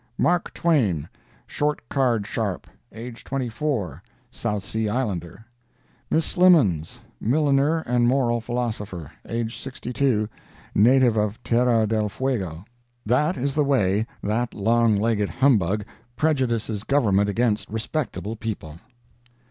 "'Mark Twain—Short card sharp—age, 24—South Sea Islander. "'Miss Slimmens—Milliner and moral philosopher—age, 62—native of Terra del Fuego.' "That is the way that long legged humbug prejudices Government against respectable people."